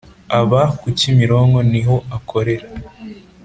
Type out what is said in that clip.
aba ku kimironko niho akorera